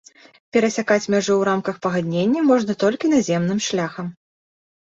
Перасякаць мяжу ў рамках пагаднення можна толькі наземным шляхам.